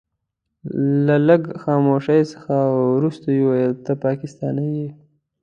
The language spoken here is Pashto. له لږ خاموشۍ څخه وروسته يې وويل ته پاکستانی يې.